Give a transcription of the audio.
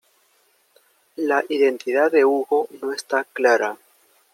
La identidad de Hugo no está clara.